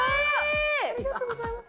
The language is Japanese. ありがとうございます。